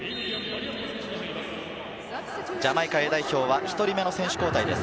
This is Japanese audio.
ジャマイカＡ代表は１人目の選手交代です。